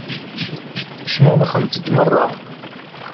Cmumxent-d meṛṛa.